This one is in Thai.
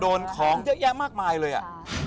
โดนของเยอะแยะมากมายเลยอ่ะ